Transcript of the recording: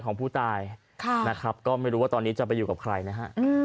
ปกติไปทำงานก็จะกินมะมุงมะม่วงเพราะค่อยกินตลอด